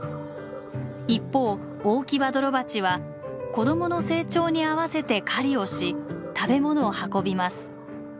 一方オオキバドロバチは子供の成長に合わせて狩りをし食べ物を運びます。